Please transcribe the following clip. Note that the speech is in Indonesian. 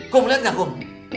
kum lihat nggak kum